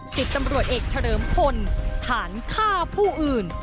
สิบตำรวจเอกเฉลิมพลฐานฆ่าผู้อื่น